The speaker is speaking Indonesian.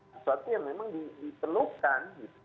sesuatu yang memang diperlukan